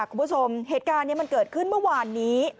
คุณผู้ชมเหตุการณ์นี้มันเกิดขึ้นเมื่อวานนี้